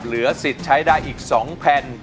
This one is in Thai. เหลือสิทธิ์ใช้ได้อีก๒แผ่น